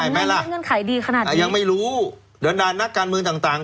ไหมล่ะเงื่อนไขดีขนาดไหนยังไม่รู้เดี๋ยวนานนักการเมืองต่างต่าง